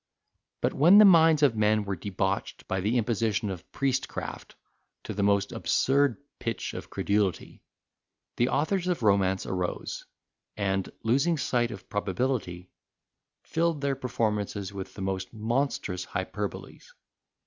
But when the minds of men were debauched by the imposition of priestcraft to the most absurd pitch of credulity, the authors of romance arose, and losing sight of probability, filled their performances with the most monstrous hyperboles.